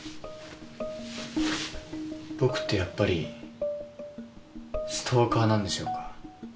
僕ってやっぱりストーカーなんでしょうか？